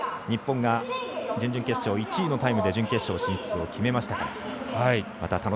日本が準々決勝、１位のタイムで準決勝進出を決めました。